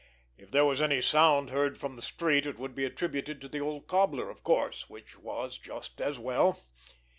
If there was any sound heard from the street it would be attributed to the old cobbler, of course, which was just as well.